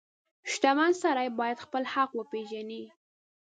• شتمن سړی باید خپل حق وپیژني.